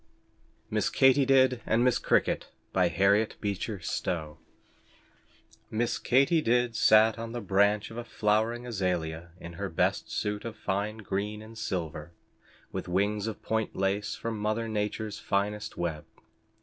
MISS KATY DID AND MISS CRICKET HARRIET BEECHER STOWE Miss Katy Did sat on the branch of a flowering azalia in her best suit of fine green and silver, with wings of point lace from mother nature's finest web.